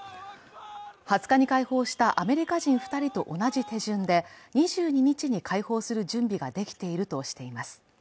２０日に解放したアメリカ人２人と同じ手順で、２２日に解放する準備ができているとしています